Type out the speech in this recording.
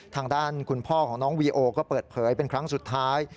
ทางด้านคุณพ่อของน้องวีโอก็เปิดเผยเป็นครั้งสุดท้าย